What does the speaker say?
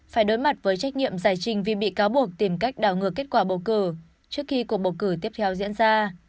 phải đối mặt với trách nhiệm giải trình vì bị cáo buộc tìm cách đảo ngược kết quả bầu cử trước khi cuộc bầu cử tiếp theo diễn ra